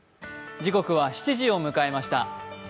時刻は７時を迎えました。